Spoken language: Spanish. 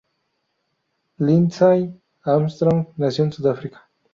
Lindsay Armstrong nació en Sudáfrica.